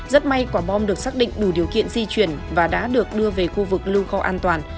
rất may quả bom được xác định đủ điều kiện di chuyển và đã được đưa về khu vực lưu kho an toàn